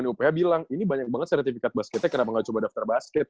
uph bilang ini banyak banget sertifikat basketnya kenapa gak coba daftar basket